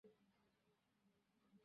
তিনটার সময় সব সজাগ হতুম।